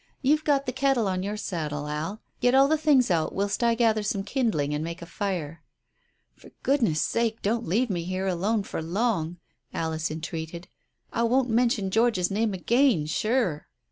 You've got the kettle on your saddle, Al. Get all the things out whilst I gather some kindling and make a fire." "For goodness' sake don't leave me here alone for long," Alice entreated. "I won't mention George's name again, sure."